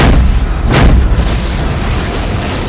rayus rayus sensa pergi